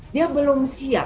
dia belum siap